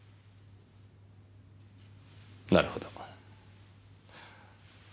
なるほど。